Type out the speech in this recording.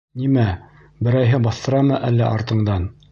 Нимә, берәйһе баҫтырамы әллә артыңдан?